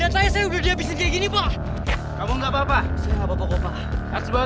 terima kasih pak ya